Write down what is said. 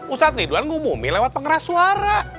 ustadz ridwan ngumumin lewat pengeras suara